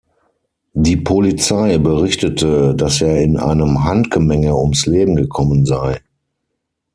Die Polizei berichtete, dass er in einem „Handgemenge“ ums Leben gekommen sei.